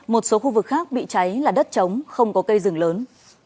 một số khu vực khác bị cháy là đất trống không có cây rừng lớn